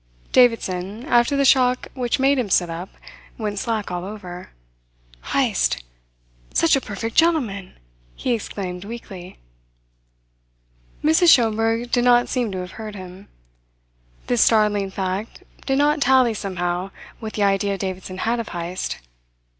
Davidson, after the shock which made him sit up, went slack all over. "Heyst! Such a perfect gentleman!" he exclaimed weakly. Mrs. Schomberg did not seem to have heard him. This startling fact did not tally somehow with the idea Davidson had of Heyst.